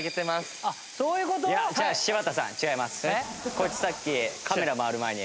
こいつさっきカメラ回る前に。